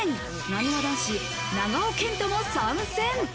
なにわ男子・長尾謙杜も参戦。